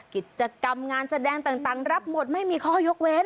กิจกรรมงานแสดงต่างรับหมดไม่มีข้อยกเว้น